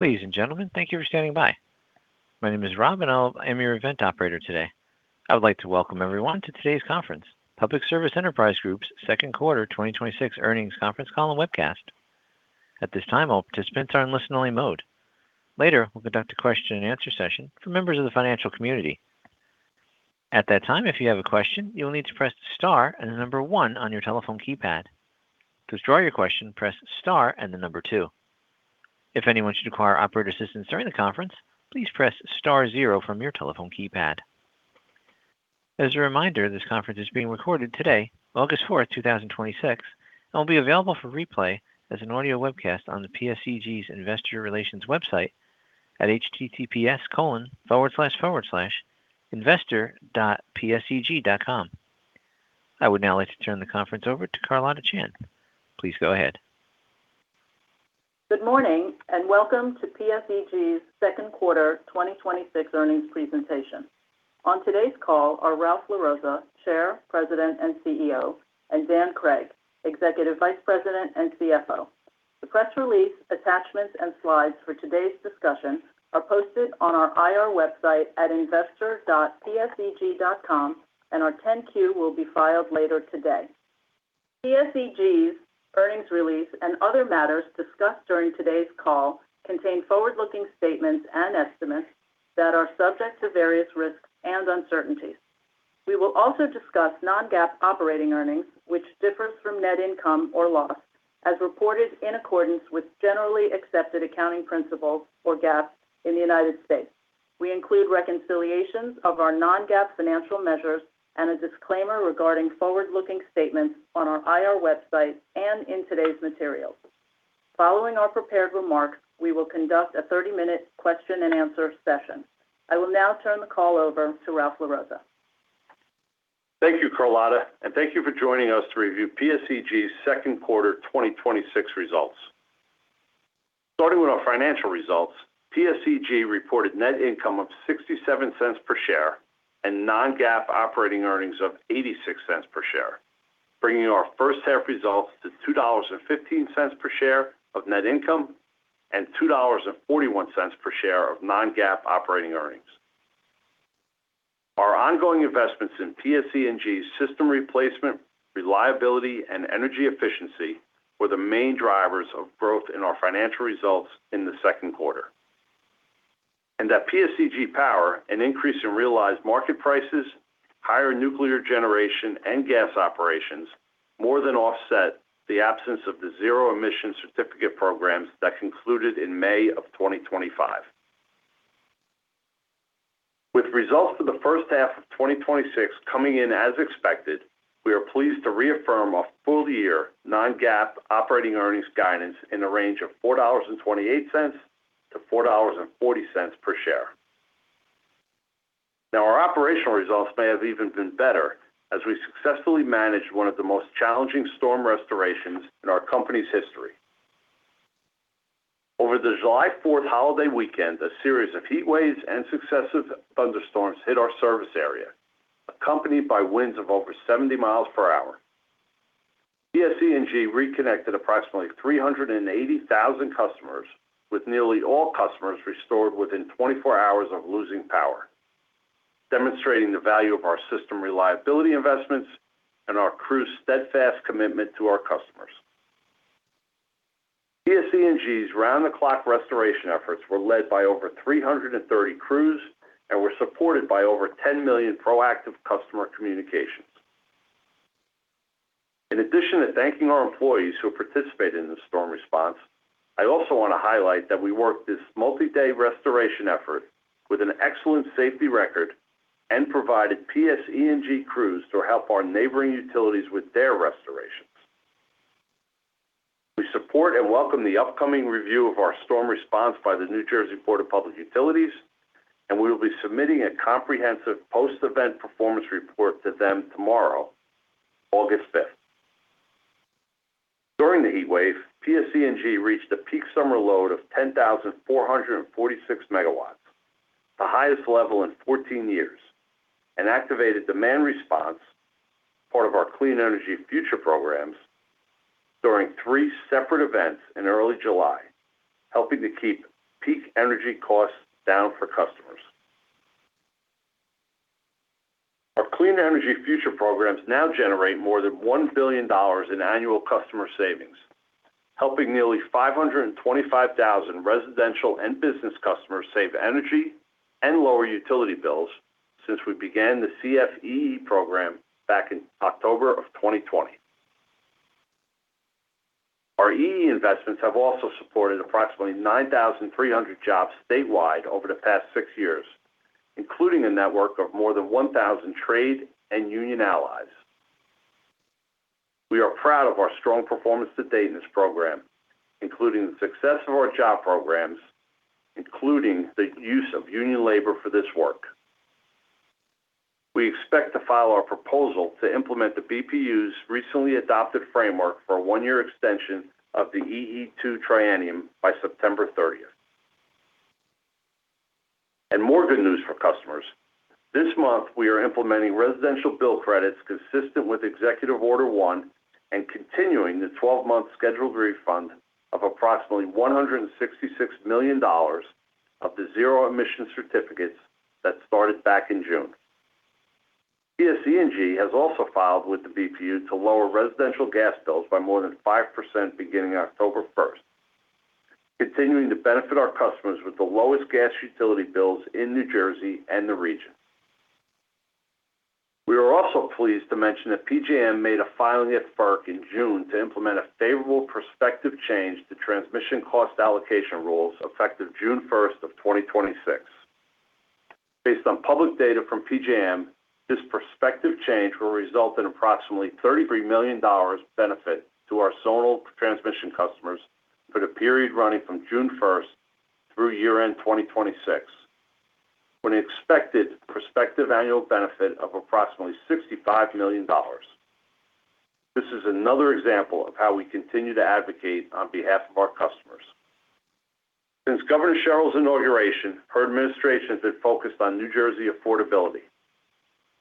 Ladies and gentlemen, thank you for standing by. My name is Rob, and I am your event operator today. I would like to welcome everyone to today's conference, Public Service Enterprise Group's second quarter 2026 earnings conference call and webcast. At this time, all participants are in listen only mode. Later, we'll conduct a question and answer session for members of the financial community. At that time, if you have a question, you will need to press star and the number one on your telephone keypad. To withdraw your question, press star and the number two. If anyone should require operator assistance during the conference, please press star zero from your telephone keypad. As a reminder, this conference is being recorded today, August 4th, 2026, and will be available for replay as an audio webcast on PSEG's Investor Relations website at https://investor.pseg.com. I would now like to turn the conference over to Carlotta Chan. Please go ahead. Good morning and welcome to PSEG's second quarter 2026 earnings presentation. On today's call are Ralph LaRossa, Chair, President, and CEO, and Dan Cregg, Executive Vice President and CFO. The press release attachments and slides for today's discussion are posted on our IR website at investor.pseg.com, and our 10-Q will be filed later today. PSEG's earnings release and other matters discussed during today's call contain forward-looking statements and estimates that are subject to various risks and uncertainties. We will also discuss non-GAAP operating earnings, which differs from net income or loss, as reported in accordance with generally accepted accounting principles or GAAP in the United States. We include reconciliations of our non-GAAP financial measures and a disclaimer regarding forward-looking statements on our IR website and in today's materials. Following our prepared remarks, we will conduct a 30-minute question and answer session. I will now turn the call over to Ralph LaRossa. Thank you, Carlotta, and thank you for joining us to review PSEG's second quarter 2026 results. Starting with our financial results, PSEG reported net income of $0.67 per share and non-GAAP operating earnings of $0.86 per share, bringing our first half results to $2.15 per share of net income and $2.41 per share of non-GAAP operating earnings. Our ongoing investments in PSEG's system replacement, reliability, and energy efficiency were the main drivers of growth in our financial results in the second quarter. At PSEG Power, an increase in realized market prices, higher nuclear generation, and gas operations more than offset the absence of the Zero Emission Certificates programs that concluded in May of 2025. With results for the first half of 2026 coming in as expected, we are pleased to reaffirm our full year non-GAAP operating earnings guidance in the range of $4.28-$4.40 per share. Our operational results may have even been better as we successfully managed one of the most challenging storm restorations in our company's history. Over the July 4th holiday weekend, a series of heat waves and successive thunderstorms hit our service area, accompanied by winds of over 70 miles per hour. PSEG reconnected approximately 380,000 customers, with nearly all customers restored within 24 hours of losing power, demonstrating the value of our system reliability investments and our crew's steadfast commitment to our customers. PSEG's round-the-clock restoration efforts were led by over 330 crews and were supported by over 10 million proactive customer communications. In addition to thanking our employees who participated in this storm response, I also want to highlight that we worked this multi-day restoration effort with an excellent safety record and provided PSEG crews to help our neighboring utilities with their restorations. We support and welcome the upcoming review of our storm response by the New Jersey Board of Public Utilities, We will be submitting a comprehensive post-event performance report to them tomorrow, August 5th. During the heat wave, PSE&G reached a peak summer load of 10,446 MW, the highest level in 14 years, Activated demand response, part of our Clean Energy Future programs, during three separate events in early July, helping to keep peak energy costs down for customers. Our Clean Energy Future programs now generate more than $1 billion in annual customer savings, helping nearly 525,000 residential and business customers save energy and lower utility bills since we began the CEF program back in October of 2020. Our EE investments have also supported approximately 9,300 jobs statewide over the past six years, including a network of more than 1,000 trade and union allies. We are proud of our strong performance to date in this program, including the success of our job programs, including the use of union labor for this work. We expect to file our proposal to implement the BPU's recently adopted framework for a one-year extension of the EE2 triennium by September 30th. More good news for customers. This month, we are implementing residential bill credits consistent with Executive Order 1 and continuing the 12-month scheduled refund of approximately $166 million of the Zero Emission Certificates that started back in June. PSE&G has also filed with the BPU to lower residential gas bills by more than 5% beginning October 1st, continuing to benefit our customers with the lowest gas utility bills in New Jersey and the region. We are also pleased to mention that PJM made a filing at FERC in June to implement a favorable prospective change to transmission cost allocation rules effective June 1st of 2026. Based on public data from PJM, this prospective change will result in approximately $33 million benefit to our zonal transmission customers for the period running from June 1st through year-end 2026, with an expected prospective annual benefit of approximately $65 million. This is another example of how we continue to advocate on behalf of our customers. Since Governor Sherrill's inauguration, her administration has been focused on New Jersey affordability.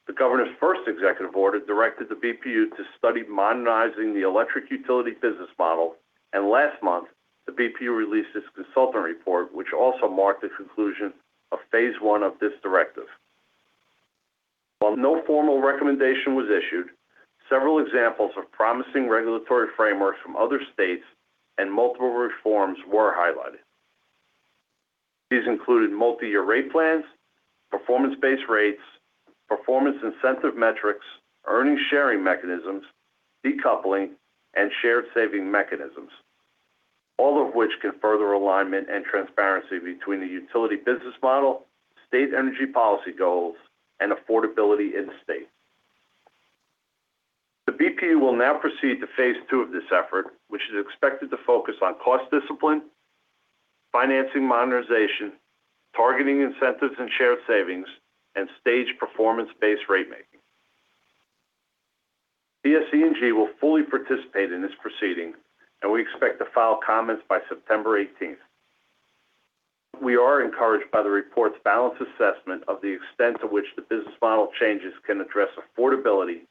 The Governor's first Executive Order directed the BPU to study modernizing the electric utility business model, and last month, the BPU released its consultant report, which also marked the conclusion of phase one of this directive. While no formal recommendation was issued, several examples of promising regulatory frameworks from other states and multiple reforms were highlighted. These included multi-year rate plans, performance-based rates, performance incentive metrics, earnings sharing mechanisms, decoupling, and shared saving mechanisms, all of which can further alignment and transparency between the utility business model, state energy policy goals, and affordability in the state. The BPU will now proceed to phase two of this effort, which is expected to focus on cost discipline, financing modernization, targeting incentives and shared savings, and staged performance-based rate making. PSE&G will fully participate in this proceeding, and we expect to file comments by September 18th. We are encouraged by the report's balanced assessment of the extent to which the business model changes can address affordability,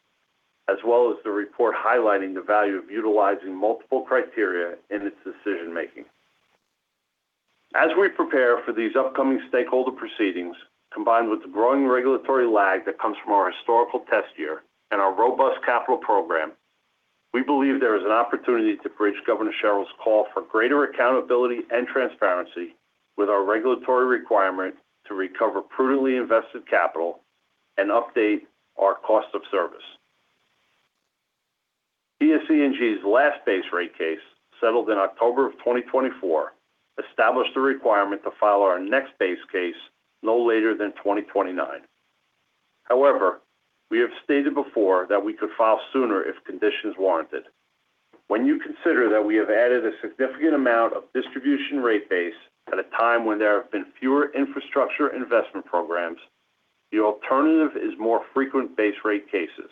as well as the report highlighting the value of utilizing multiple criteria in its decision-making. As we prepare for these upcoming stakeholder proceedings, combined with the growing regulatory lag that comes from our historical test year and our robust capital program, we believe there is an opportunity to bridge Governor Sherrill's call for greater accountability and transparency with our regulatory requirement to recover prudently invested capital and update our cost of service. PSE&G's last base rate case, settled in October of 2024, established a requirement to file our next base case no later than 2029. However, we have stated before that we could file sooner if conditions warranted. When you consider that we have added a significant amount of distribution rate base at a time when there have been fewer infrastructure investment programs, the alternative is more frequent base rate cases.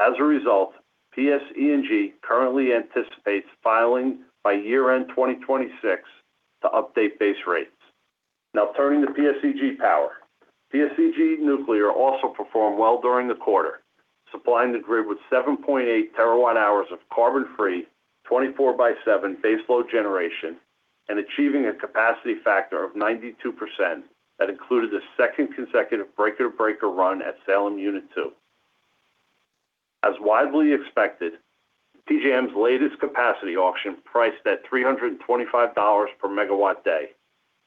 As a result, PSE&G currently anticipates filing by year-end 2026 to update base rates. Now turning to PSEG Power. PSEG Nuclear also performed well during the quarter, supplying the grid with 7.8 TWh of carbon-free, 24 by seven baseload generation and achieving a capacity factor of 92% that included the second consecutive breaker-to-breaker run at Salem Unit 2. As widely expected, PJM's latest capacity auction priced at $325 per MW day,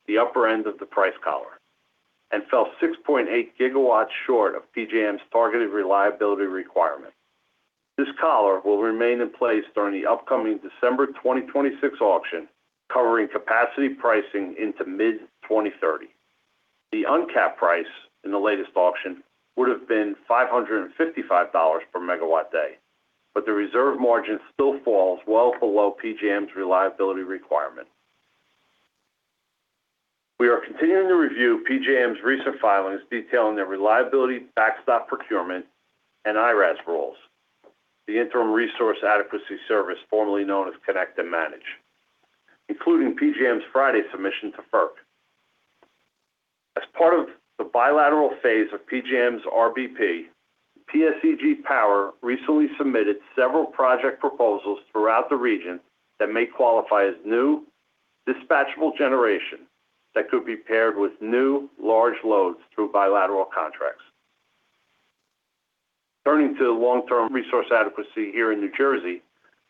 the upper end of the price collar, and fell 6.8 GW short of PJM's targeted reliability requirement. This collar will remain in place during the upcoming December 2026 auction, covering capacity pricing into mid-2030. The uncapped price in the latest auction would've been $555 per megawatt day, but the reserve margin still falls well below PJM's reliability requirement. We are continuing to review PJM's recent filings detailing their Reliability Backstop Procurement and IRAS rules, the Interim Resource Adequacy Service, formerly known as Connect and Manage, including PJM's Friday submission to FERC. As part of the bilateral phase of PJM's RBP, PSEG Power recently submitted several project proposals throughout the region that may qualify as new dispatchable generation that could be paired with new large loads through bilateral contracts. Turning to long-term resource adequacy here in New Jersey,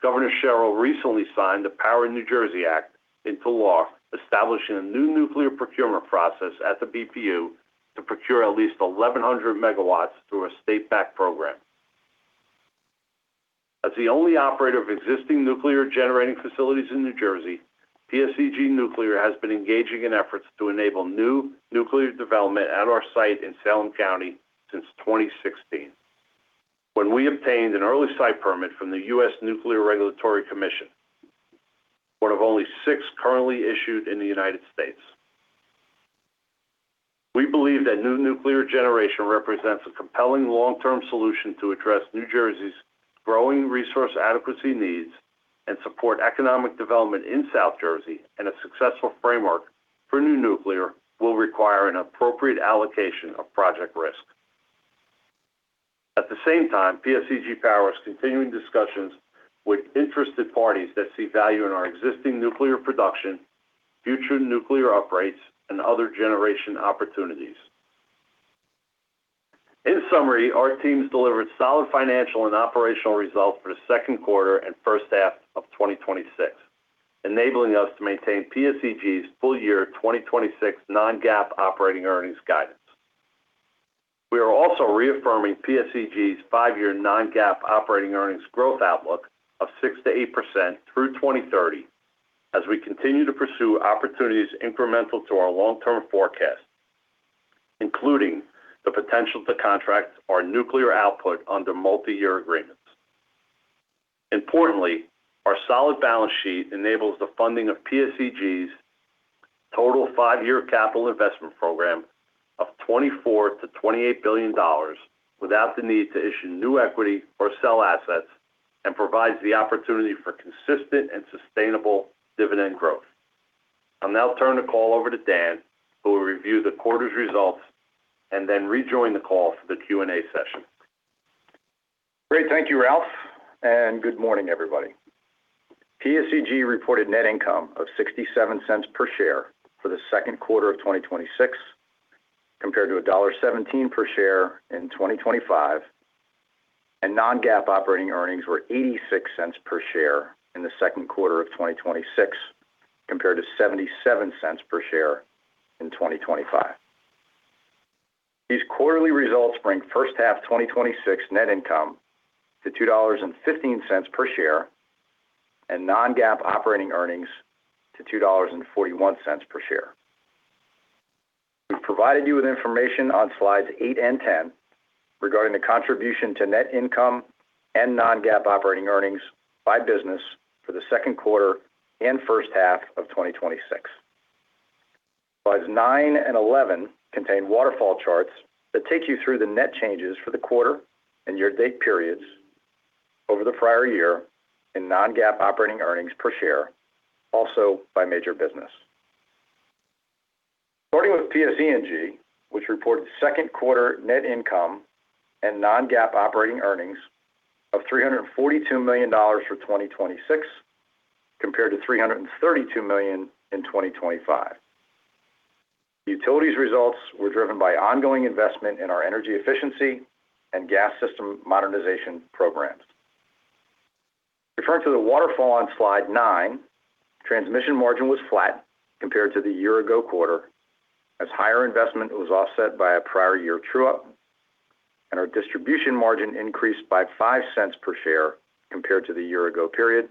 Governor Sherrill recently signed the Power in New Jersey Act into law, establishing a new nuclear procurement process at the BPU to procure at least 1,100 megawatts through a state-backed program. As the only operator of existing nuclear generating facilities in New Jersey, PSEG Nuclear has been engaging in efforts to enable new nuclear development at our site in Salem County since 2016, when we obtained an early site permit from the U.S. Nuclear Regulatory Commission, one of only six currently issued in the United States. We believe that new nuclear generation represents a compelling long-term solution to address New Jersey's growing resource adequacy needs and support economic development in South Jersey. A successful framework for new nuclear will require an appropriate allocation of project risk. At the same time, PSEG Power is continuing discussions with interested parties that see value in our existing nuclear production, future nuclear uprights, and other generation opportunities. In summary, our teams delivered solid financial and operational results for the second quarter and first half of 2026, enabling us to maintain PSEG's full-year 2026 non-GAAP operating earnings guidance. We are also reaffirming PSEG's five-year non-GAAP operating earnings growth outlook of 6%-8% through 2030 as we continue to pursue opportunities incremental to our long-term forecast, including the potential to contract our nuclear output under multi-year agreements. Importantly, our solid balance sheet enables the funding of PSEG's total five-year capital investment program of $24 billion-$28 billion without the need to issue new equity or sell assets and provides the opportunity for consistent and sustainable dividend growth. I'll now turn the call over to Dan, who will review the quarter's results and then rejoin the call for the Q&A session. Great. Thank you, Ralph. Good morning, everybody. PSEG reported net income of $0.67 per share for the second quarter of 2026, compared to $1.17 per share in 2025. Non-GAAP operating earnings were $0.86 per share in the second quarter of 2026, compared to $0.77 per share in 2025. These quarterly results bring first half 2026 net income to $2.15 per share and non-GAAP operating earnings to $2.41 per share. We've provided you with information on slides eight and 10 regarding the contribution to net income and non-GAAP operating earnings by business for the second quarter and first half of 2026. Slides nine and 11 contain waterfall charts that take you through the net changes for the quarter and year-to-date periods over the prior year in non-GAAP operating earnings per share, also by major business. Starting with PSE&G, which reported second quarter net income and non-GAAP operating earnings of $342 million for 2026, compared to $332 million in 2025. The utility's results were driven by ongoing investment in our energy efficiency and gas system modernization programs. Referring to the waterfall on slide nine, transmission margin was flat compared to the year ago quarter as higher investment was offset by a prior year true-up, and our distribution margin increased by $0.05 per share compared to the year ago period,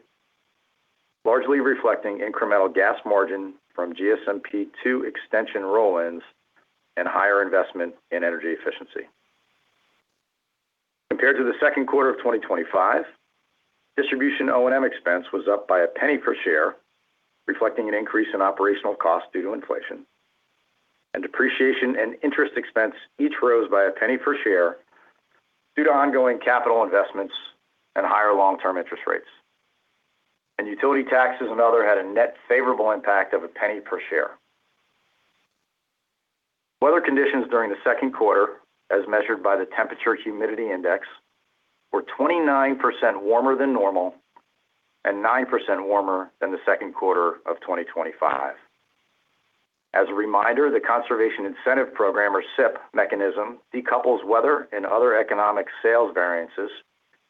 largely reflecting incremental gas margin from GSMP 2 extension roll-ins and higher investment in energy efficiency. Compared to the second quarter of 2025, distribution O&M expense was up by $0.01 per share, reflecting an increase in operational costs due to inflation. Depreciation and interest expense each rose by $0.01 per share due to ongoing capital investments and higher long-term interest rates. Utility taxes and other had a net favorable impact of $0.01 per share. Weather conditions during the second quarter, as measured by the temperature humidity index, were 29% warmer than normal and 9% warmer than the second quarter of 2025. As a reminder, the Conservation Incentive Program, or CIP, mechanism decouples weather and other economic sales variances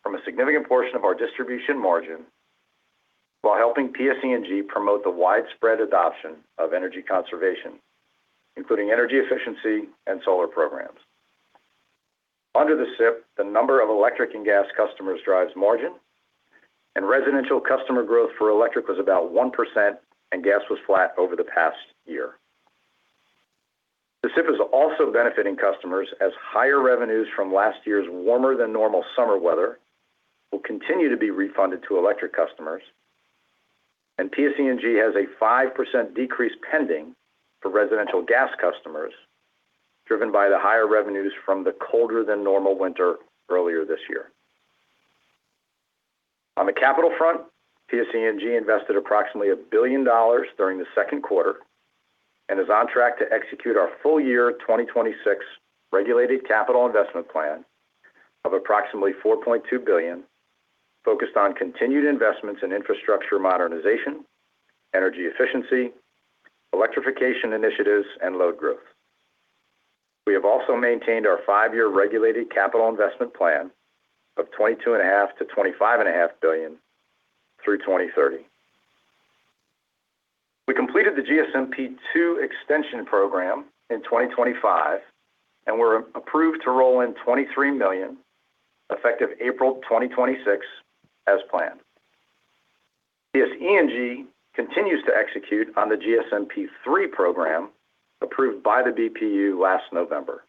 from a significant portion of our distribution margin while helping PSE&G promote the widespread adoption of energy conservation, including energy efficiency and solar programs. Under the CIP, the number of electric and gas customers drives margin, and residential customer growth for electric was about 1%, and gas was flat over the past year. The CIP is also benefiting customers as higher revenues from last year's warmer-than-normal summer weather will continue to be refunded to electric customers, and PSE&G has a 5% decrease pending for residential gas customers, driven by the higher revenues from the colder-than-normal winter earlier this year. On the capital front, PSE&G invested approximately $1 billion during the second quarter and is on track to execute our full year 2026 regulated capital investment plan of approximately $4.2 billion, focused on continued investments in infrastructure modernization, energy efficiency, electrification initiatives, and load growth. We have also maintained our five-year regulated capital investment plan of $22.5 billion-$25.5 billion through 2030. We completed the GSMP 2 extension program in 2025 and were approved to roll in $23 million effective April 2026 as planned. PSE&G continues to execute on the GSMP 3 program approved by the BPU last November.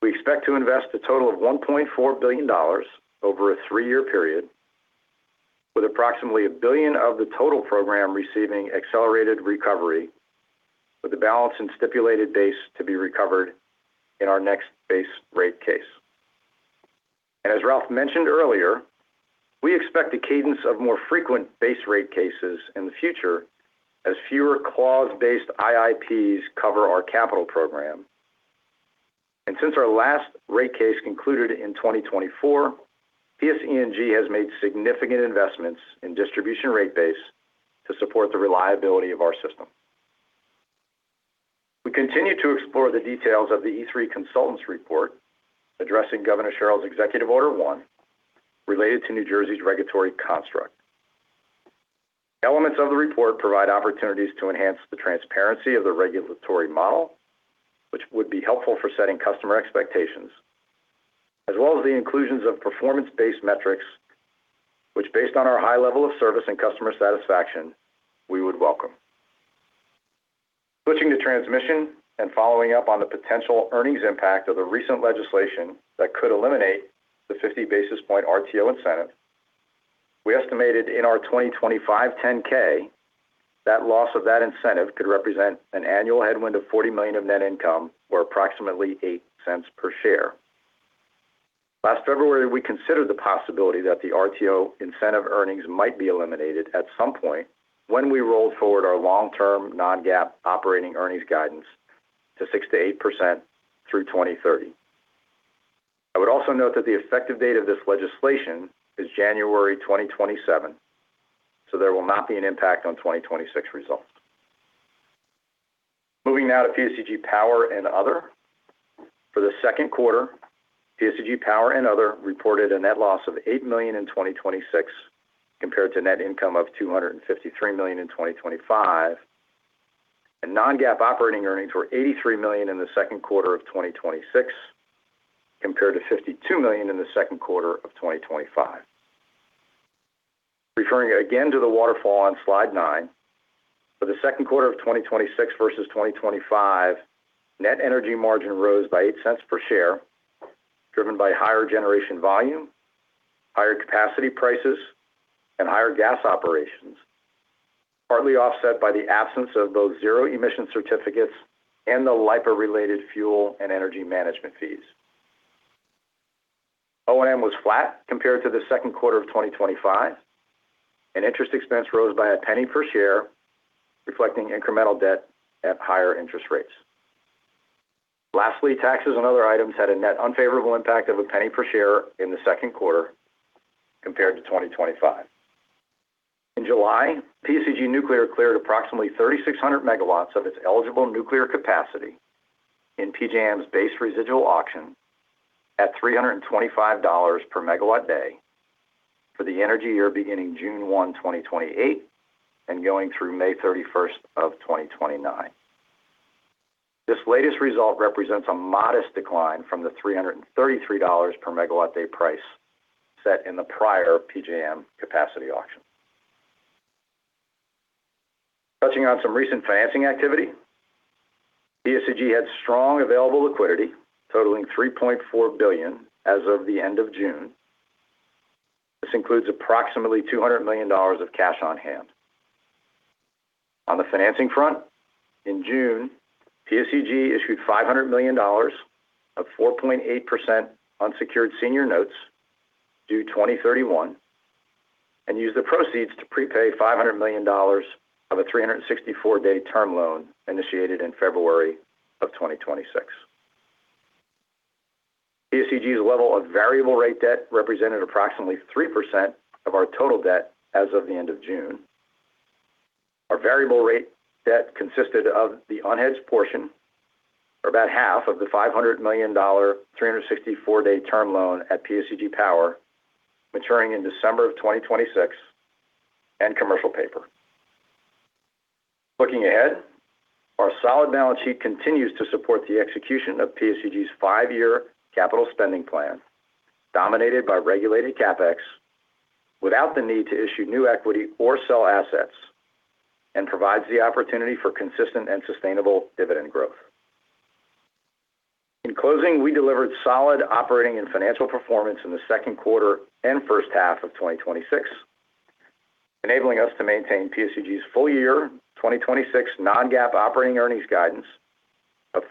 We expect to invest a total of $1.4 billion over a three-year period, with approximately $1 billion of the total program receiving accelerated recovery, with the balance and stipulated base to be recovered in our next base rate case. As Ralph mentioned earlier, we expect a cadence of more frequent base rate cases in the future as fewer clause-based IIPs cover our capital program. Since our last rate case concluded in 2024, PSE&G has made significant investments in distribution rate base to support the reliability of our system. We continue to explore the details of the E3 consultants report addressing Governor Sherrill's Executive Order 1, related to New Jersey's regulatory construct. Elements of the report provide opportunities to enhance the transparency of the regulatory model, which would be helpful for setting customer expectations, as well as the inclusions of performance-based metrics, which based on our high level of service and customer satisfaction, we would welcome. Switching to transmission, following up on the potential earnings impact of the recent legislation that could eliminate the 50 basis point RTO incentive, we estimated in our 2025 10-K that loss of that incentive could represent an annual headwind of $40 million of net income or approximately $0.08 per share. Last February, we considered the possibility that the RTO incentive earnings might be eliminated at some point when we rolled forward our long-term non-GAAP operating earnings guidance to 6%-8% through 2030. I would also note that the effective date of this legislation is January 2027, so there will not be an impact on 2026 results. Moving now to PSEG Power and Other. For the second quarter, PSEG Power and Other reported a net loss of $8 million in 2026 compared to net income of $253 million in 2025, and non-GAAP operating earnings were $83 million in the second quarter of 2026, compared to $52 million in the second quarter of 2025. Referring again to the waterfall on slide nine, for the second quarter of 2026 versus 2025, net energy margin rose by $0.08 per share, driven by higher generation volume, higher capacity prices, and higher gas operations, partly offset by the absence of both zero-emission certificates and the LIPA-related fuel and energy management fees. O&M was flat compared to the second quarter of 2025, and interest expense rose by $0.01 per share, reflecting incremental debt at higher interest rates. Lastly, taxes on other items had a net unfavorable impact of $0.01 per share in the second quarter compared to 2025. In July, PSEG Nuclear cleared approximately 3,600 megawatts of its eligible nuclear capacity in PJM's Base Residual Auction at $325 per megawatt day for the energy year beginning June 1, 2028, and going through May 31, 2029. This latest result represents a modest decline from the $333 per megawatt day price set in the prior PJM capacity auction. Touching on some recent financing activity, PSEG had strong available liquidity totaling $3.4 billion as of the end of June. This includes approximately $200 million of cash on hand. On the financing front, in June, PSEG issued $500 million of 4.8% unsecured senior notes due 2031 and used the proceeds to prepay $500 million of a 364-day term loan initiated in February of 2026. PSEG's level of variable rate debt represented approximately 3% of our total debt as of the end of June. Our variable rate debt consisted of the unhedged portion or about half of the $500 million 364-day term loan at PSEG Power maturing in December of 2026 and commercial paper. Looking ahead, our solid balance sheet continues to support the execution of PSEG's five-year capital spending plan, dominated by regulated CapEx, without the need to issue new equity or sell assets, and provides the opportunity for consistent and sustainable dividend growth. In closing, we delivered solid operating and financial performance in the second quarter and first half of 2026, enabling us to maintain PSEG's full year 2026 non-GAAP operating earnings guidance of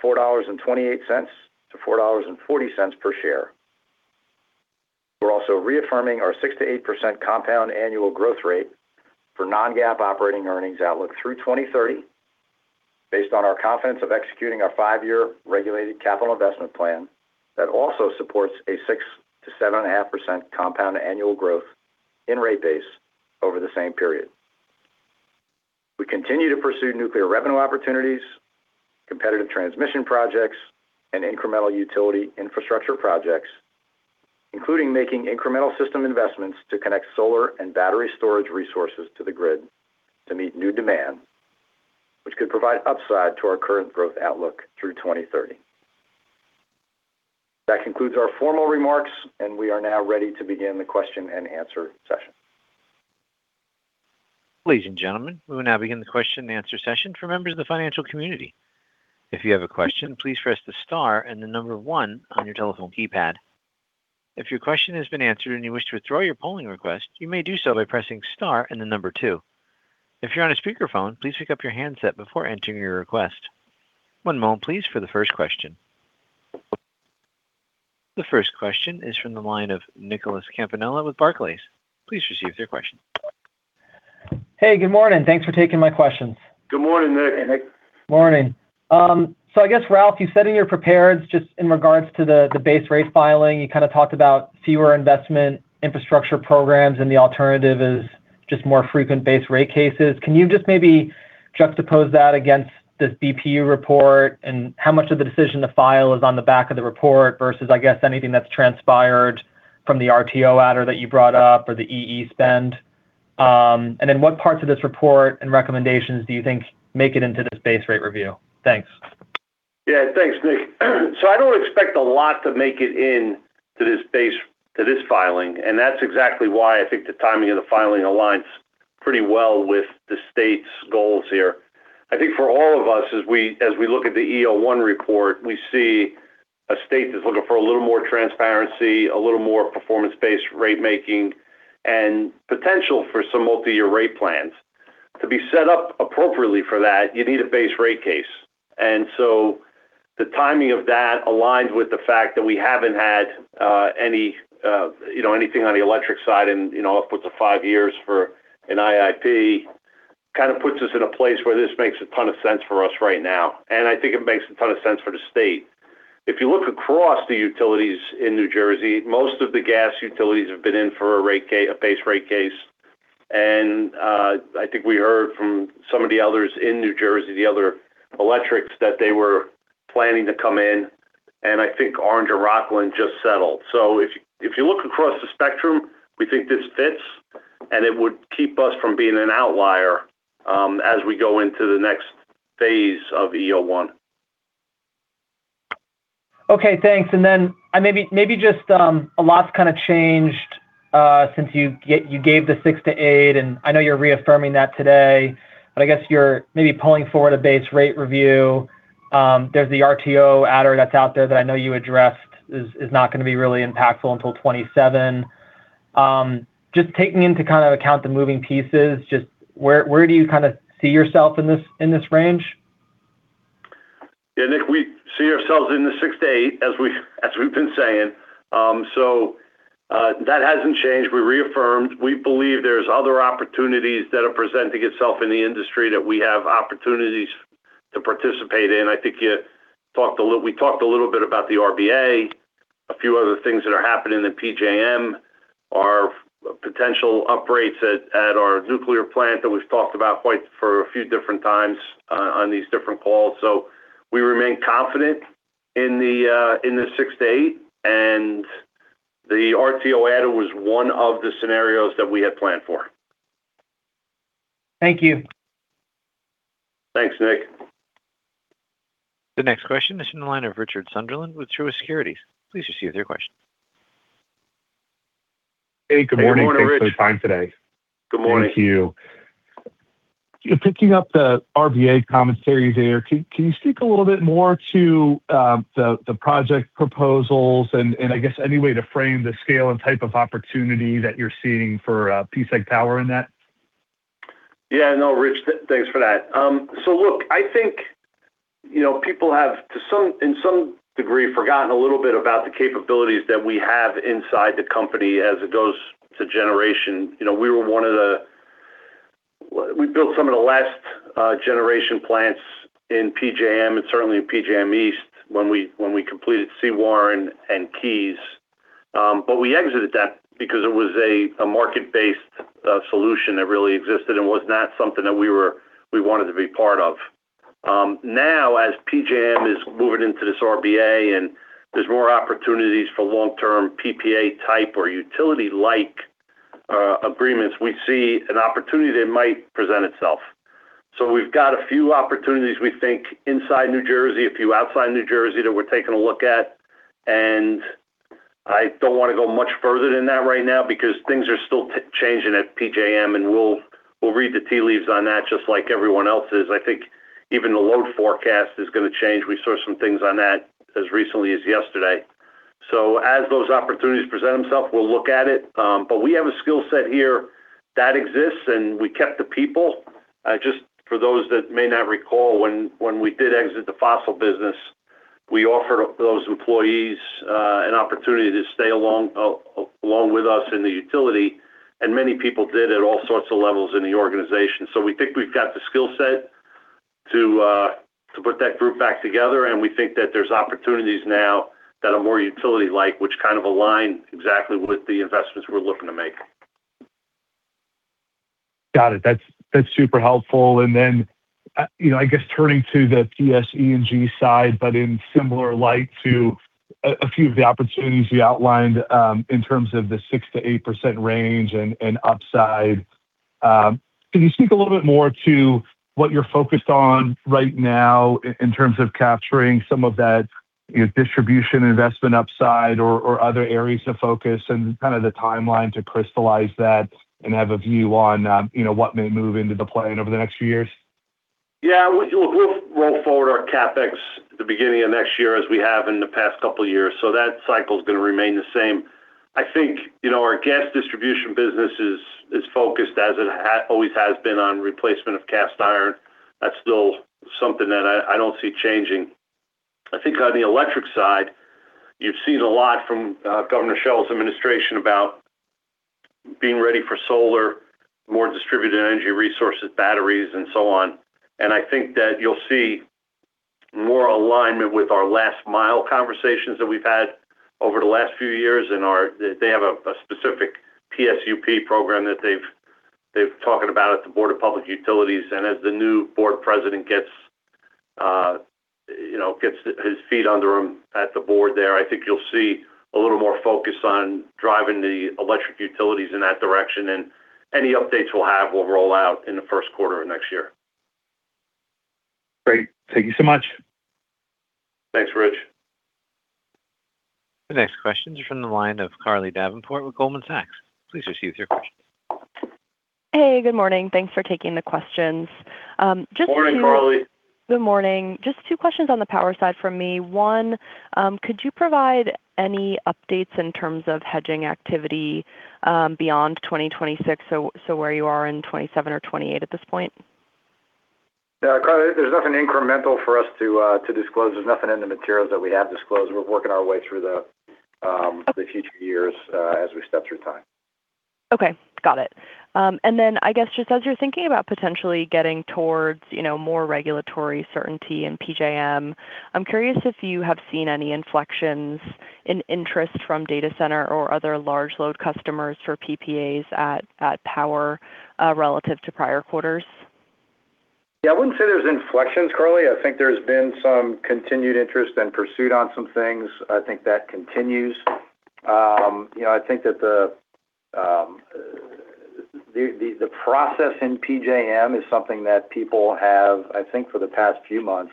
$4.28-$4.40 per share. We are also reaffirming our 6%-8% compound annual growth rate for non-GAAP operating earnings outlook through 2030, based on our confidence of executing our five-year regulated capital investment plan that also supports a 6%-7.5% compound annual growth in rate base over the same period. We continue to pursue nuclear revenue opportunities, competitive transmission projects, and incremental utility infrastructure projects, including making incremental system investments to connect solar and battery storage resources to the grid to meet new demand, which could provide upside to our current growth outlook through 2030. That concludes our formal remarks. We are now ready to begin the question and answer session. Ladies and gentlemen, we will now begin the question and answer session for members of the financial community. If you have a question, please press the star and the number one on your telephone keypad. If your question has been answered, you wish to withdraw your polling request, you may do so by pressing star and the number two. If you're on a speakerphone, please pick up your handset before entering your request. One moment please for the first question. The first question is from the line of Nicholas Campanella with Barclays. Please proceed with your question. Hey, good morning. Thanks for taking my questions. Good morning, Nick. Morning. I guess, Ralph, you said in your prepared, just in regards to the base rate filing, you kind of talked about fewer investment infrastructure programs, and the alternative is just more frequent base rate cases. Can you just maybe juxtapose that against this BPU report and how much of the decision to file is on the back of the report versus, I guess, anything that's transpired from the RTO adder that you brought up or the EE spend? What parts of this report and recommendations do you think make it into this base rate review? Thanks. Yeah. Thanks, Nick. I don't expect a lot to make it in to this filing, and that's exactly why I think the timing of the filing aligns pretty well with the state's goals here. I think for all of us, as we look at the EO1 report, we see a state that's looking for a little more transparency, a little more performance-based rate making, and potential for some multi-year rate plans. To be set up appropriately for that, you need a base rate case. The timing of that aligns with the fact that we haven't had anything on the electric side in upwards of five years for an IIP. Kind of puts us in a place where this makes a ton of sense for us right now, and I think it makes a ton of sense for the state. If you look across the utilities in New Jersey, most of the gas utilities have been in for a base rate case. I think we heard from some of the others in New Jersey, the other electrics, that they were planning to come in, and I think Orange and Rockland just settled. If you look across the spectrum, we think this fits, and it would keep us from being an outlier as we go into the next phase of EO1. Okay, thanks. Maybe just a lot's kind of changed since you gave the six to eight, and I know you're reaffirming that today, but I guess you're maybe pulling forward a base rate review. There's the RTO adder that's out there that I know you addressed is not going to be really impactful until 2027. Just taking into kind of account the moving pieces, just where do you kind of see yourself in this range? Yeah, Nick, we see ourselves in the six to eight as we've been saying. That hasn't changed. We reaffirmed. We believe there's other opportunities that are presenting itself in the industry that we have opportunities to participate in. I think we talked a little bit about the RBP. A few other things that are happening in PJM are potential upgrades at our nuclear plant that we've talked about for a few different times on these different calls. We remain confident in the six to eight, and the RTO adder was one of the scenarios that we had planned for. Thank you. Thanks, Nick. The next question is in the line of Richard Sunderland with Truist Securities. Please proceed with your question. Hey, good morning, Rich. Thanks for the time today. Good morning. Thank you. Picking up the RBP commentary there, can you speak a little bit more to the project proposals and, I guess, any way to frame the scale and type of opportunity that you're seeing for PSEG Power in that? Yeah, no, Rich. Look, I think people have, in some degree, forgotten a little bit about the capabilities that we have inside the company as it goes to generation. We built some of the last generation plants in PJM, and certainly in PJM East when we completed Sewaren and Kearny. We exited that because it was a market-based solution that really existed and was not something that we wanted to be part of. Now as PJM is moving into this RBA and there's more opportunities for long-term PPA type or utility-like agreements, we see an opportunity that might present itself. We've got a few opportunities we think inside New Jersey, a few outside New Jersey that we're taking a look at, I don't want to go much further than that right now because things are still changing at PJM, and we'll read the tea leaves on that just like everyone else is. I think even the load forecast is going to change. We saw some things on that as recently as yesterday. As those opportunities present themself, we'll look at it. We have a skill set here that exists, and we kept the people. Just for those that may not recall, when we did exit the fossil business, we offered those employees an opportunity to stay along with us in the utility, and many people did at all sorts of levels in the organization. We think we've got the skill set to put that group back together, and we think that there's opportunities now that are more utility-like, which kind of align exactly with the investments we're looking to make. Got it. That's super helpful. Then, I guess turning to the PSE&G side, in similar light to a few of the opportunities you outlined, in terms of the 6%-8% range and upside. Can you speak a little bit more to what you're focused on right now in terms of capturing some of that distribution investment upside or other areas of focus and kind of the timeline to crystallize that and have a view on what may move into the plan over the next few years? Yeah. Look, we'll roll forward our CapEx at the beginning of next year, as we have in the past couple of years. That cycle's going to remain the same. I think, our gas distribution business is as focused as it always has been on replacement of cast iron. That's still something that I don't see changing. I think on the electric side, you've seen a lot from Governor Sherrill's administration about being ready for solar, more distributed energy resources, batteries, and so on. I think that you'll see more alignment with our last mile conversations that we've had over the last few years. They have a specific PSUP program that they've talking about at the Board of Public Utilities. As the new board president gets his feet under him at the board there, I think you'll see a little more focus on driving the electric utilities in that direction. Any updates we'll have will roll out in the first quarter of next year. Great. Thank you so much. Thanks, Rich. The next question is from the line of Carly Davenport with Goldman Sachs. Please receive your question. Hey. Good morning. Thanks for taking the questions. Just two- Morning, Carly. Good morning. Just two questions on the power side from me. One, could you provide any updates in terms of hedging activity, beyond 2026? Where you are in 2027 or 2028 at this point? Yeah, Carly, there's nothing incremental for us to disclose. There's nothing in the materials that we'd have disclosed. We're working our way through the future years as we step through time. Okay. Got it. I guess just as you're thinking about potentially getting towards more regulatory certainty in PJM, I'm curious if you have seen any inflections in interest from data center or other large load customers for PPAs at Power, relative to prior quarters. Yeah, I wouldn't say there's inflections, Carly. I think there's been some continued interest and pursuit on some things. I think that continues. I think that the process in PJM is something that people have, I think for the past few months,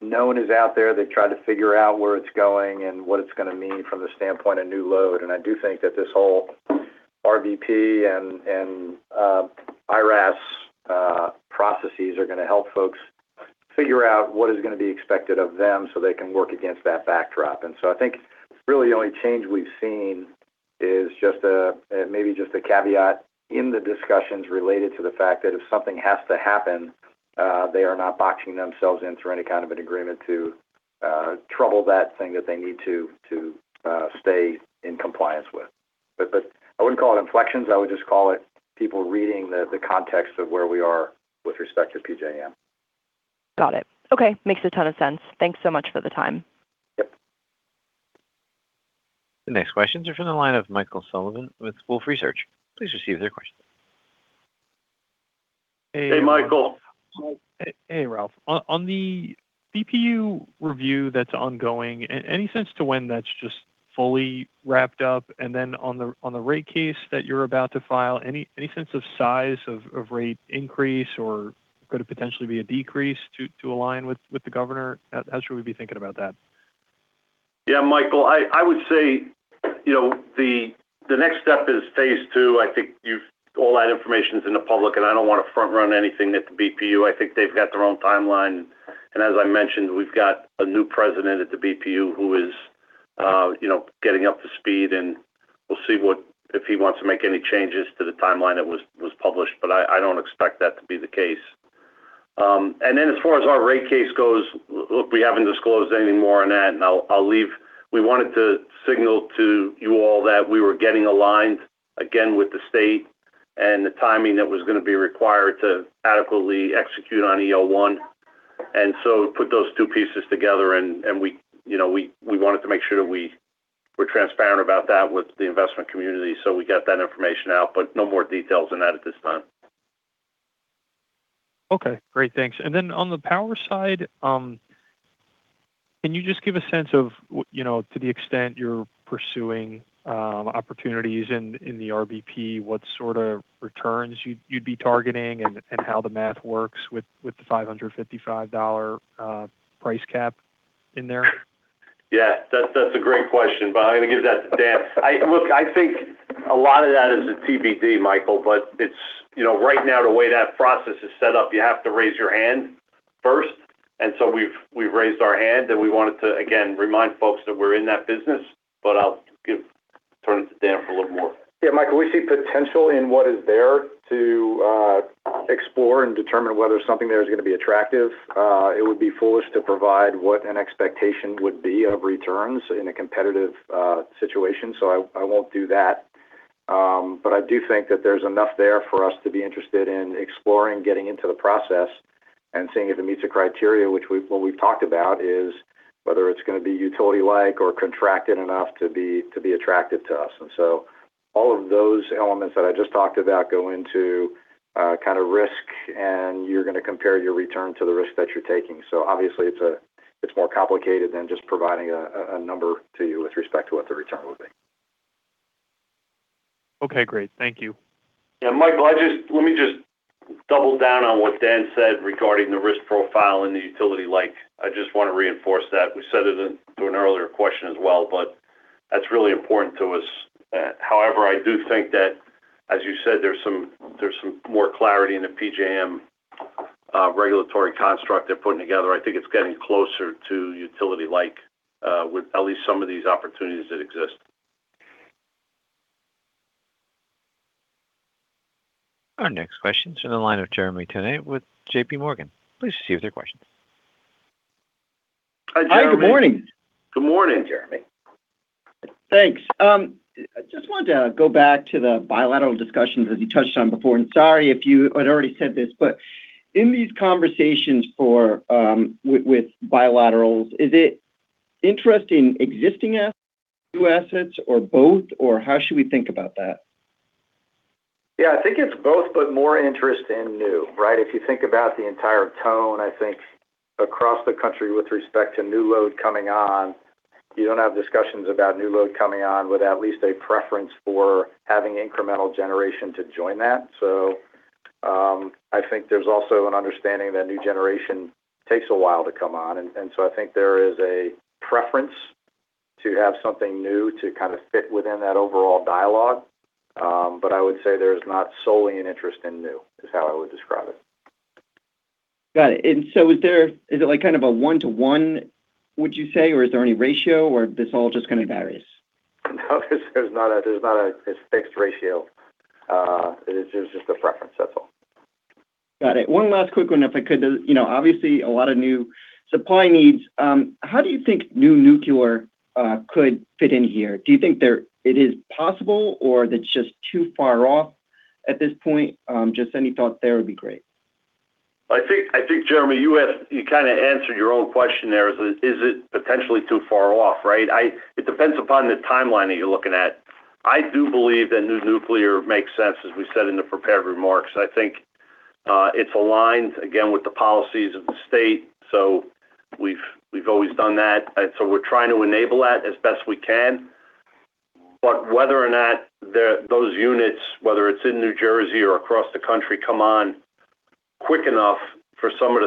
known is out there. They've tried to figure out where it's going and what it's going to mean from the standpoint of new load. I do think that this whole RBP and IRAS processes are going to help folks figure out what is going to be expected of them so they can work against that backdrop. I think really the only change we've seen is maybe just a caveat in the discussions related to the fact that if something has to happen, they are not boxing themselves in through any kind of an agreement to trouble that thing that they need to stay in compliance with. I wouldn't call it inflections. I would just call it people reading the context of where we are with respect to PJM. Got it. Okay. Makes a ton of sense. Thanks so much for the time. Yep. The next questions are from the line of Michael Sullivan with Wolfe Research. Please receive your question. Hey, Michael. Hey, Ralph. On the BPU review that's ongoing, any sense to when that's just fully wrapped up? On the rate case that you're about to file, any sense of size of rate increase or could it potentially be a decrease to align with the governor? How should we be thinking about that? Michael, I would say the next step is phase II. I think all that information's in the public. I don't want to front run anything at the BPU. I think they've got their own timeline. As I mentioned, we've got a new president at the BPU who is getting up to speed. We'll see if he wants to make any changes to the timeline that was published, but I don't expect that to be the case. As far as our rate case goes, we haven't disclosed anything more on that. We wanted to signal to you all that we were getting aligned again with the state and the timing that was going to be required to adequately execute on EO1. Put those two pieces together. We wanted to make sure that we were transparent about that with the investment community. We got that information out, no more details on that at this time. Okay, great. Thanks. On the power side, can you just give a sense of to the extent you're pursuing opportunities in the RBP, what sort of returns you'd be targeting and how the math works with the $555 price cap in there? That's a great question. I'm going to give that to Dan. I think a lot of that is a TBD, Michael. Right now the way that process is set up, you have to raise your hand first. We've raised our hand. We wanted to again remind folks that we're in that business. I'll turn it to Dan for a little more. Yeah, Michael, we see potential in what is there to explore and determine whether something there is going to be attractive. It would be foolish to provide what an expectation would be of returns in a competitive situation. I won't do that. I do think that there's enough there for us to be interested in exploring getting into the process and seeing if it meets the criteria, which what we've talked about is whether it's going to be utility-like or contracted enough to be attractive to us. All of those elements that I just talked about go into kind of risk, and you're going to compare your return to the risk that you're taking. Obviously it's more complicated than just providing a number to you with respect to what the return would be. Okay, great. Thank you. Yeah, Michael, let me just double down on what Dan said regarding the risk profile and the utility like. I just want to reinforce that. We said it to an earlier question as well, that's really important to us. However, I do think that, as you said, there's some more clarity in the PJM regulatory construct they're putting together. I think it's getting closer to utility-like, with at least some of these opportunities that exist. Our next question's in the line of Jeremy Tonet with JPMorgan. Please proceed with your question. Hi, Jeremy. Hi, good morning. Good morning, Jeremy. Thanks. I just wanted to go back to the bilateral discussions that you touched on before, and sorry if you had already said this, but in these conversations with bilaterals, is it interest in existing assets, new assets, or both, or how should we think about that? Yeah, I think it's both, but more interest in new, right? If you think about the entire tone, I think across the country with respect to new load coming on, you don't have discussions about new load coming on without at least a preference for having incremental generation to join that. I think there's also an understanding that new generation takes a while to come on. I think there is a preference to have something new to kind of fit within that overall dialogue. I would say there's not solely an interest in new, is how I would describe it. Got it. Is it like kind of a one-to-one, would you say, or is there any ratio, or this all just kind of varies? No, there's not a fixed ratio. It is just a preference, that's all. Got it. One last quick one if I could. Obviously a lot of new supply needs. How do you think new nuclear could fit in here? Do you think it is possible or that's just too far off at this point? Just any thought there would be great. I think, Jeremy, you kind of answered your own question there. Is it potentially too far off, right? It depends upon the timeline that you're looking at. I do believe that new nuclear makes sense, as we said in the prepared remarks. I think it aligns, again, with the policies of the state. We've always done that. We're trying to enable that as best we can. Whether or not those units, whether it's in New Jersey or across the country, come on quick enough for some of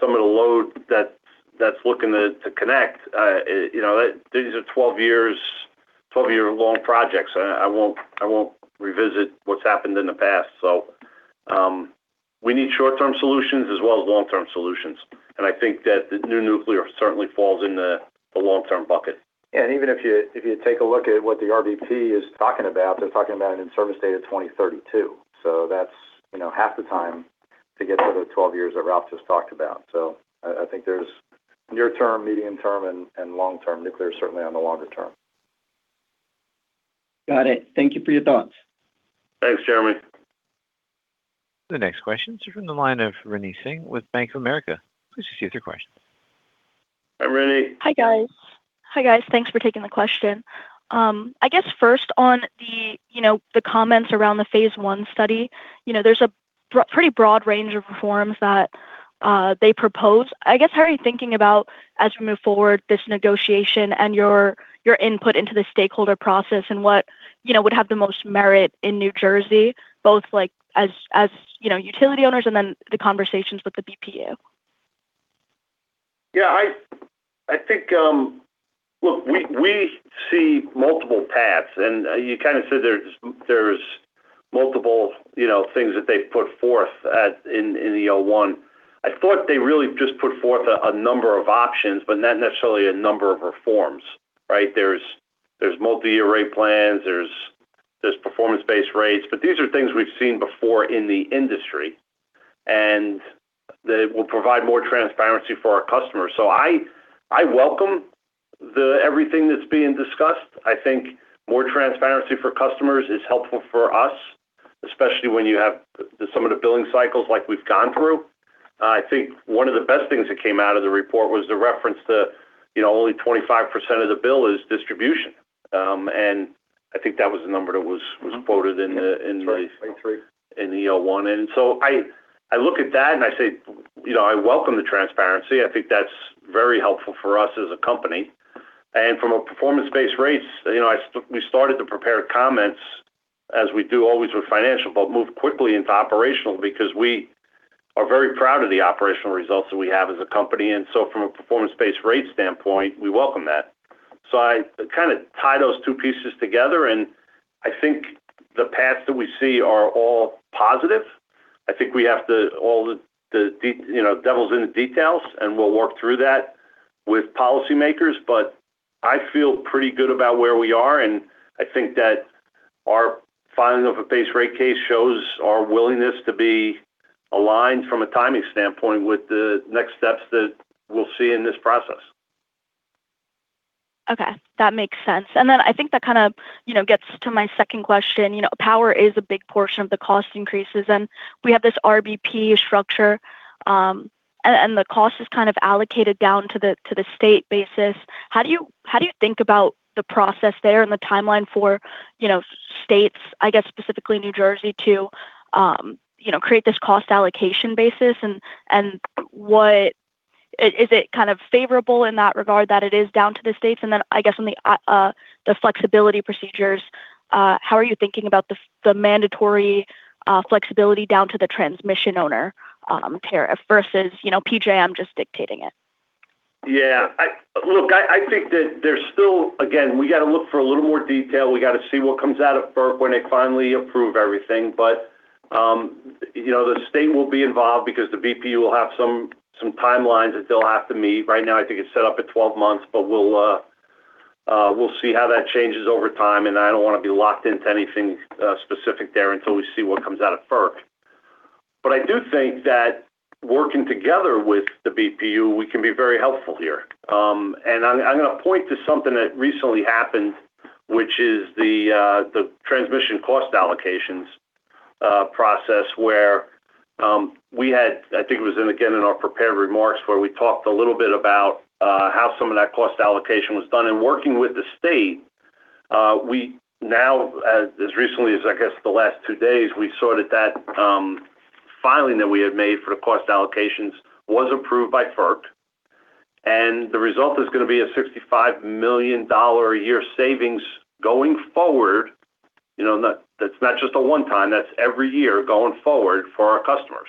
the load that's looking to connect, these are 12-year-long projects. I won't revisit what's happened in the past. We need short-term solutions as well as long-term solutions. I think that the new nuclear certainly falls in the long-term bucket. Even if you take a look at what the RBP is talking about, they're talking about an in-service date of 2032. That's half the time to get to the 12 years that Ralph just talked about. I think there's near term, medium term, and long term. Nuclear is certainly on the longer term. Got it. Thank you for your thoughts. Thanks, Jeremy. The next question's from the line of Rinny Singh with Bank of America. Please proceed with your question. Hi, Rinny. Hi, guys. Thanks for taking the question. I guess first on the comments around the phase one study. There's a pretty broad range of reforms that they propose. I guess, how are you thinking about, as we move forward, this negotiation and your input into the stakeholder process and what would have the most merit in New Jersey, both like as utility owners and then the conversations with the BPU? Look, we see multiple paths. You kind of said there's multiple things that they've put forth in EO1. I thought they really just put forth a number of options, but not necessarily a number of reforms, right? There's multi-year rate plans, there's performance-based rates, but these are things we've seen before in the industry. They will provide more transparency for our customers. I welcome everything that's being discussed. I think more transparency for customers is helpful for us, especially when you have some of the billing cycles like we've gone through. I think one of the best things that came out of the report was the reference to only 25% of the bill is distribution. I think that was the number that was quoted in the. Yes. Right. In the EO1. I look at that and I say I welcome the transparency. I think that's very helpful for us as a company. From a performance-based rates, we started to prepare comments as we do always with financial, but moved quickly into operational because we are very proud of the operational results that we have as a company. From a performance-based rate standpoint, we welcome that. I kind of tie those two pieces together, and I think the paths that we see are all positive. I think the devil's in the details, and we'll work through that with policymakers, but I feel pretty good about where we are, and I think that our filing of a base rate case shows our willingness to be aligned from a timing standpoint with the next steps that we'll see in this process. Okay. That makes sense. I think that kind of gets to my second question. Power is a big portion of the cost increases, and we have this RBP structure, and the cost is kind of allocated down to the state basis. How do you think about the process there and the timeline for states, I guess specifically New Jersey, to create this cost allocation basis and what is it kind of favorable in that regard that it is down to the states? I guess on the flexibility procedures, how are you thinking about the mandatory flexibility down to the transmission owner, tariff versus PJM just dictating it? Yeah. Look, I think that there's still, again, we got to look for a little more detail. We got to see what comes out of FERC when they finally approve everything. The state will be involved because the BPU will have some timelines that they'll have to meet. Right now, I think it's set up at 12 months, but we'll see how that changes over time, and I don't want to be locked into anything specific there until we see what comes out of FERC. I do think that working together with the BPU, we can be very helpful here. I'm going to point to something that recently happened, which is the transmission cost allocations process where we had, I think it was again in our prepared remarks, where we talked a little bit about how some of that cost allocation was done. Working with the state, we now, as recently as I guess the last two days, we sorted that filing that we had made for the cost allocations, was approved by FERC, and the result is going to be a $65 million a year savings going forward. That's not just a one-time, that's every year going forward for our customers.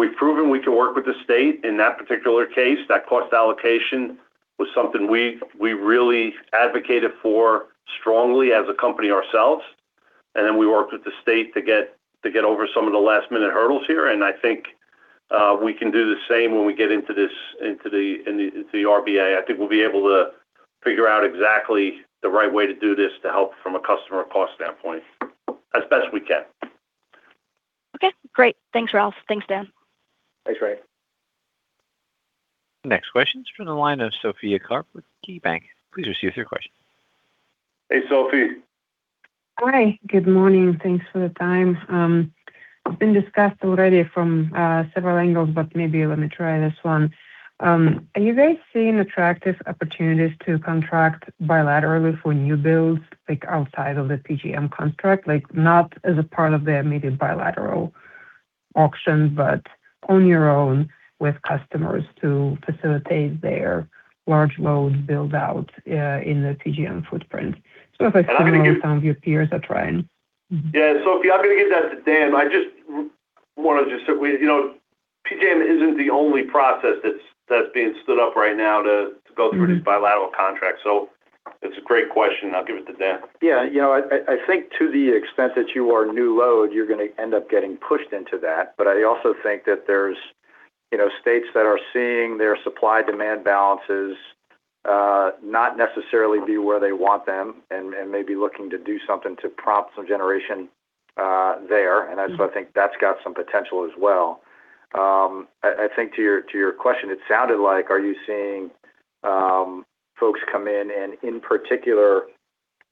We've proven we can work with the state in that particular case. That cost allocation was something we really advocated for strongly as a company ourselves. We worked with the state to get over some of the last-minute hurdles here, and I think we can do the same when we get into the RBP. I think we'll be able to figure out exactly the right way to do this to help from a customer cost standpoint as best we can. Okay, great. Thanks, Ralph. Thanks, Dan. Thanks, Rin. Next question's from the line of Sophie Karp with KeyBanc. Please proceed with your question. Hey, Sophie. Hi. Good morning. Thanks for the time. It's been discussed already from several angles. Maybe let me try this one. Have you guys seen attractive opportunities to contract bilaterally for new builds, like outside of the PJM contract? Not as a part of the immediate bilateral auction, on your own with customers to facilitate their large load build-out in the PJM footprint? Sort of like some of your peers are trying. Yeah. Sophie, I'm going to give that to Dan. I just want to say PJM isn't the only process that's being stood up right now to go through these bilateral contracts. It's a great question. I'll give it to Dan. Yeah. I think to the extent that you are new load, you're going to end up getting pushed into that. I also think that there's states that are seeing their supply-demand balances not necessarily be where they want them and may be looking to do something to prompt some generation there. I think that's got some potential as well. I think to your question, it sounded like are you seeing folks come in and, in particular,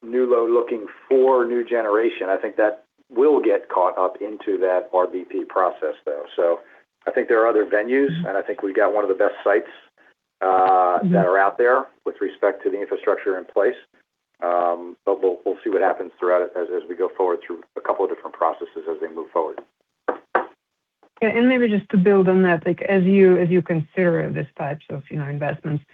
new load looking for new generation? I think that will get caught up into that RBP process, though. I think there are other venues, and I think we've got one of the best sites that are out there with respect to the infrastructure in place. We'll see what happens throughout it as we go forward through a couple of different processes as they move forward. Yeah. Maybe just to build on that, as you consider these types of investments,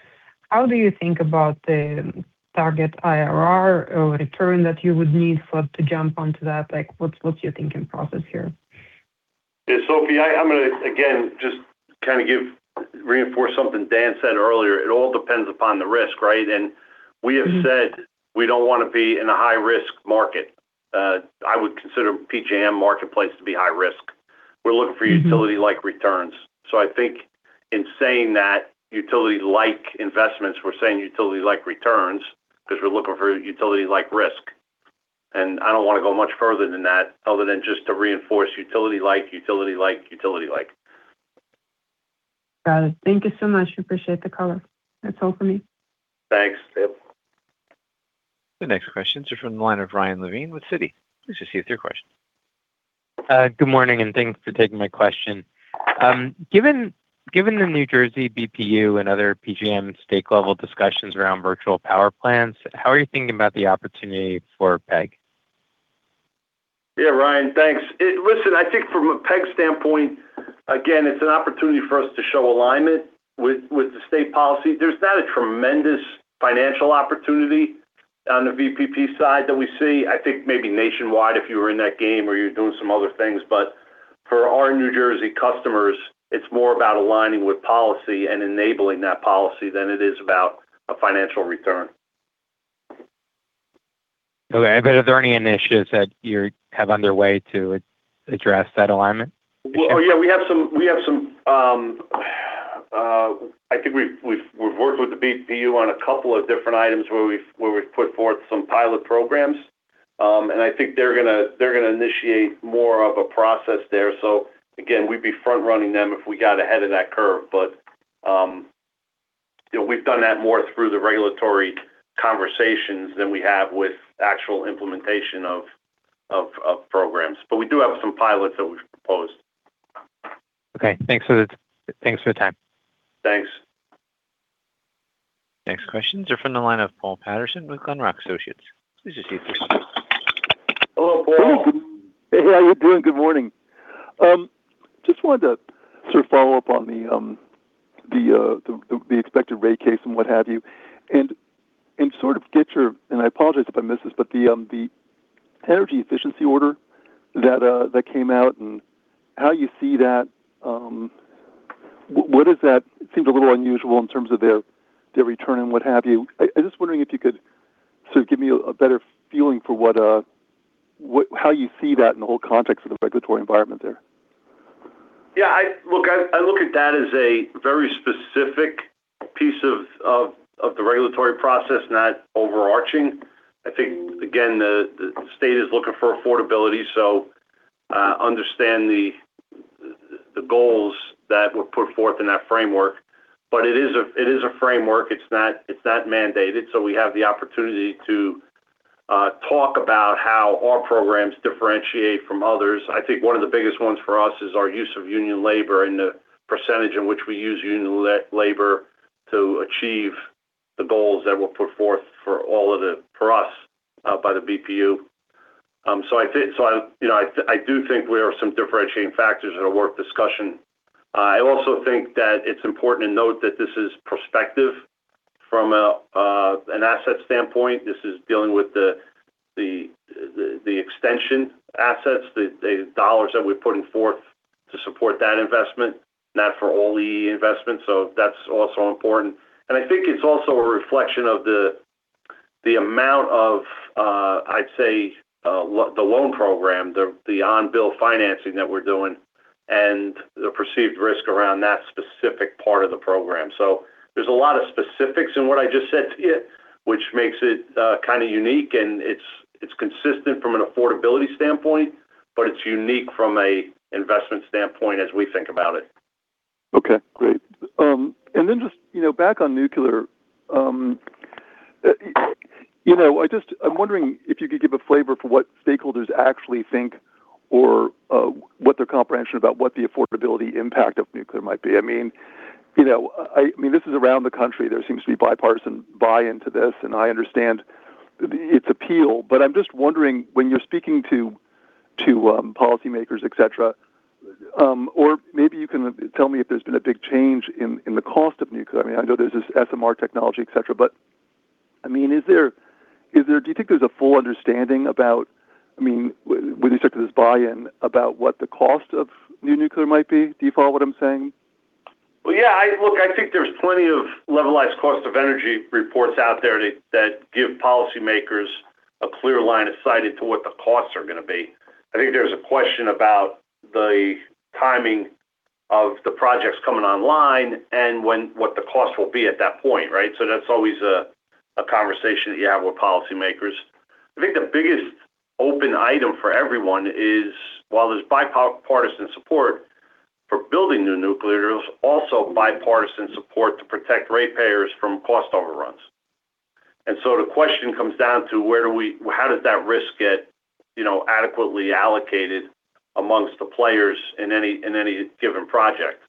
how do you think about the target IRR or return that you would need to jump onto that? What's your thinking process here? Yeah. Sophie, I'm going to, again, just kind of reinforce something Dan said earlier. It all depends upon the risk, right? We have said we don't want to be in a high-risk market. I would consider PJM marketplace to be high-risk. We're looking for utility-like returns. I think in saying that, utility-like investments, we're saying utility-like returns because we're looking for utility-like risk. I don't want to go much further than that other than just to reinforce utility-like, utility-like, utility-like. Got it. Thank you so much. Appreciate the color. That's all for me. Thanks. Yep. The next questions are from the line of Ryan Levine with Citi. Please proceed with your question. Good morning, and thanks for taking my question. Given the New Jersey BPU and other PJM state-level discussions around virtual power plants, how are you thinking about the opportunity for PSEG? Ryan, thanks. Listen, I think from a PSEG standpoint, again, it's an opportunity for us to show alignment with the state policy. There's not a tremendous financial opportunity on the VPP side that we see. I think maybe nationwide, if you were in that game or you're doing some other things. For our New Jersey customers, it's more about aligning with policy and enabling that policy than it is about a financial return. Okay. Are there any initiatives that you have underway to address that alignment? Yeah. I think we've worked with the BPU on a couple of different items where we've put forth some pilot programs. I think they're going to initiate more of a process there. Again, we'd be front running them if we got ahead of that curve. We've done that more through the regulatory conversations than we have with actual implementation of programs. We do have some pilots that we've proposed. Okay. Thanks for the time. Thanks. Next questions are from the line of Paul Patterson with Glenrock Associates. Please just use your question. Hello, Paul. Hey. How are you doing? Good morning. Just wanted to sort of follow up on the expected rate case and what have you. I apologize if I missed this, but the energy efficiency order that came out, and how you see that. It seems a little unusual in terms of their return and what have you. I'm just wondering if you could sort of give me a better feeling for how you see that in the whole context of the regulatory environment there. Yeah. I look at that as a very specific piece of the regulatory process, not overarching. Again, the state is looking for affordability, understand the goals that were put forth in that framework. It is a framework. It's not mandated. We have the opportunity to talk about how our programs differentiate from others. One of the biggest ones for us is our use of union labor and the percentage in which we use union labor to achieve the goals that were put forth for us by the BPU. There are some differentiating factors that are worth discussion. It's important to note that this is prospective from an asset standpoint. This is dealing with the extension assets, the $ that we're putting forth to support that investment, not for all the investments. That's also important. It's also a reflection of the amount of the loan program, the on-bill financing that we're doing, and the perceived risk around that specific part of the program. There's a lot of specifics in what I just said to you, which makes it kind of unique, and it's consistent from an affordability standpoint, but it's unique from an investment standpoint as we think about it. Okay, great. Just back on nuclear, I'm wondering if you could give a flavor for what stakeholders actually think or what their comprehension about what the affordability impact of nuclear might be. This is around the country. There seems to be bipartisan buy-in to this, and I understand its appeal, but I'm just wondering when you're speaking to policymakers, et cetera, or maybe you can tell me if there's been a big change in the cost of nuclear. I know there's this SMR technology, et cetera. Do you think there's a full understanding about, when you talk to this buy-in, about what the cost of new nuclear might be? Do you follow what I'm saying? Yeah. There's plenty of levelized cost of energy reports out there that give policymakers a clear line of sight into what the costs are going to be. There's a question about the timing of the projects coming online and what the cost will be at that point, right? That's always a conversation that you have with policymakers. The biggest open item for everyone is while there's bipartisan support for building new nuclear, there's also bipartisan support to protect ratepayers from cost overruns. The question comes down to how does that risk get adequately allocated amongst the players in any given project?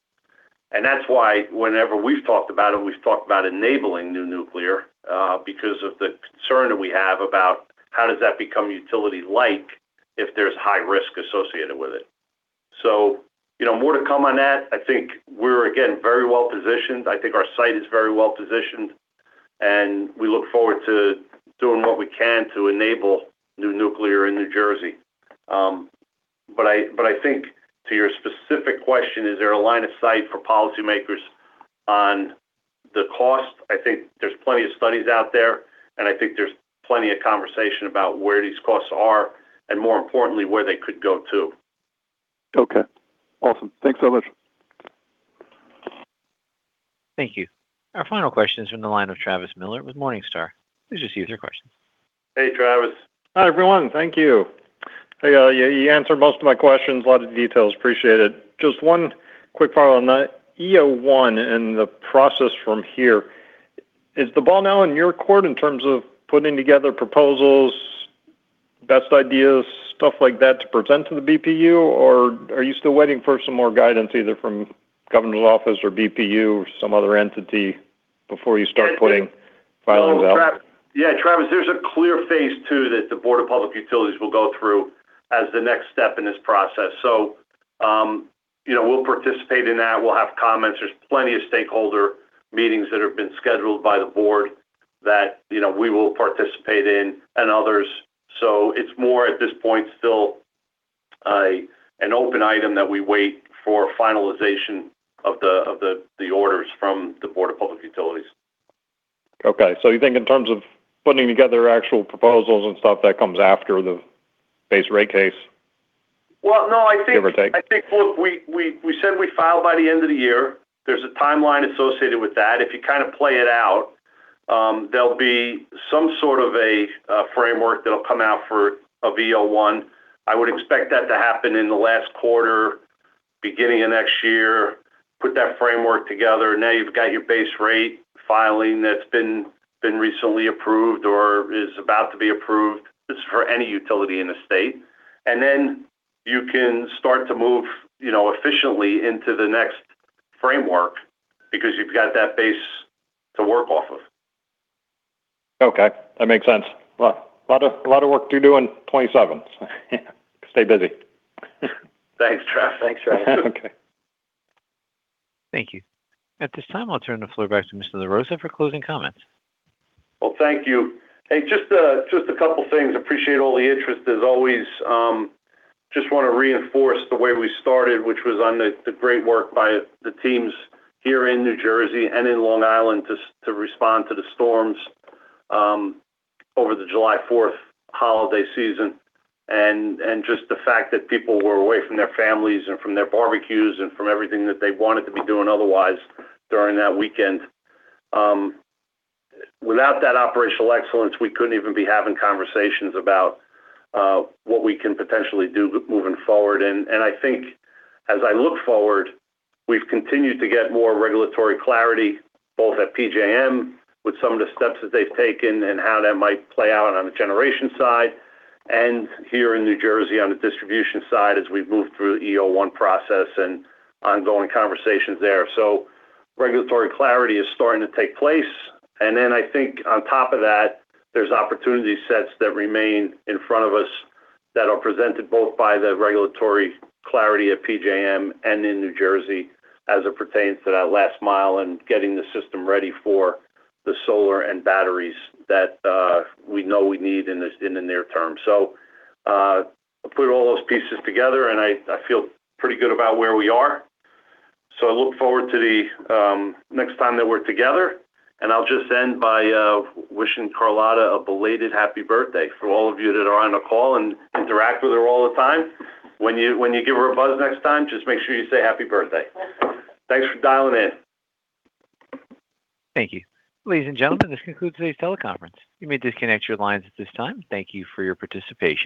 That's why whenever we've talked about it, we've talked about enabling new nuclear because of the concern that we have about how does that become utility-like if there's high risk associated with it. More to come on that. I think we're, again, very well-positioned. I think our site is very well-positioned, and we look forward to doing what we can to enable new nuclear in New Jersey. I think to your specific question, is there a line of sight for policymakers on the cost? I think there's plenty of studies out there, and I think there's plenty of conversation about where these costs are, and more importantly, where they could go, too. Okay. Awesome. Thanks so much. Thank you. Our final question is from the line of Travis Miller with Morningstar. Please just use your question. Hey, Travis. Hi, everyone. Thank you. You answered most of my questions, a lot of details. Appreciate it. Just one quick follow on that. EO1 and the process from here, is the ball now in your court in terms of putting together proposals, best ideas, stuff like that to present to the BPU? Or are you still waiting for some more guidance either from governor's office or BPU or some other entity before you start putting filings out? Yeah, Travis, there's a clear phase two that the Board of Public Utilities will go through as the next step in this process. We'll participate in that. We'll have comments. There's plenty of stakeholder meetings that have been scheduled by the Board that we will participate in and others. It's more, at this point, still an open item that we wait for finalization of the orders from the Board of Public Utilities. Okay. You think in terms of putting together actual proposals and stuff, that comes after the base rate case? Well, no. Give or take. I think, look, we said we'd file by the end of the year. There's a timeline associated with that. If you kind of play it out, there'll be some sort of a framework that'll come out for an EO1. I would expect that to happen in the last quarter, beginning of next year, put that framework together. Then you've got your base rate filing that's been recently approved or is about to be approved. This is for any utility in the state. Then you can start to move efficiently into the next framework because you've got that base to work off of. Okay. That makes sense. Well, a lot of work due on the 27th. Stay busy. Thanks, Travis. Thanks. Okay. Thank you. At this time, I'll turn the floor back to Mr. LaRossa for closing comments. Well, thank you. Hey, just a couple things. Appreciate all the interest as always. Just want to reinforce the way we started, which was on the great work by the teams here in New Jersey and in Long Island to respond to the storms over the July 4th holiday season. Just the fact that people were away from their families and from their barbecues and from everything that they wanted to be doing otherwise during that weekend. Without that operational excellence, we couldn't even be having conversations about what we can potentially do moving forward. I think as I look forward, we've continued to get more regulatory clarity, both at PJM with some of the steps that they've taken and how that might play out on the generation side, and here in New Jersey on the distribution side as we've moved through the EO1 process and ongoing conversations there. Regulatory clarity is starting to take place. Then I think on top of that, there's opportunity sets that remain in front of us that are presented both by the regulatory clarity at PJM and in New Jersey as it pertains to that last mile and getting the system ready for the solar and batteries that we know we need in the near term. Put all those pieces together, and I feel pretty good about where we are. I look forward to the next time that we're together, and I'll just end by wishing Carlotta a belated happy birthday. For all of you that are on the call and interact with her all the time, when you give her a buzz next time, just make sure you say happy birthday. Thanks for dialing in. Thank you. Ladies and gentlemen, this concludes today's teleconference. You may disconnect your lines at this time. Thank you for your participation.